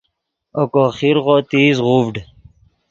اوکو خیرغو تیز غوڤڈیم